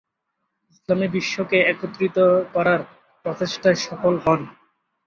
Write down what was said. ইসলামী বিশ্বকে একত্রিত করার প্রচেষ্টায় সফল হন।